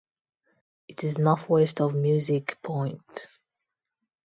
It is northwest of Musick Point.